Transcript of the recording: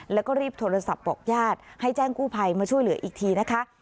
แล้วก็รีบโทรศัพท์บอกญาติให้แจ้งกู้ภัยมาช่วยเหลืออีกทีนะคะ